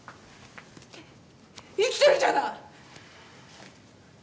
えっ生きてるじゃない！